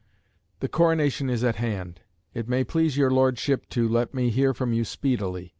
The coronation is at hand. It may please your Lordship to let me hear from you speedily.